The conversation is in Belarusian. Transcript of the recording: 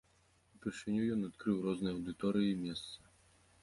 Упершыню ён адкрыў розныя аўдыторыі і месцы.